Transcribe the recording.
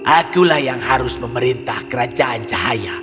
akulah yang harus memerintah kerajaan cahaya